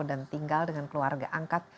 dan tinggal dengan keluarga angkat